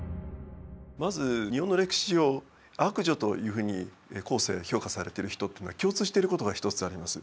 まず日本の歴史上悪女というふうに後世評価されてる人っていうのは共通してることが一つあります。